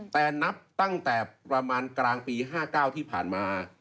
แต่นับตั้งแต่ประมาณกลางปี๕๙ที่ผ่านมา